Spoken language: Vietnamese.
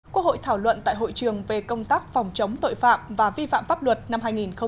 quốc hội thảo luận tại hội trường về công tác phòng chống tội phạm và vi phạm pháp luật năm hai nghìn một mươi chín